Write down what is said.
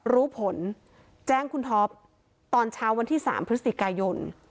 รู้ผลแจ้งคุณท็อปตอนเช้าวันที่๓พฤศจิกายน